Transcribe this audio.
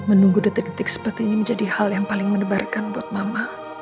menunggu detik detik seperti ini menjadi hal yang paling mendebarkan buat mama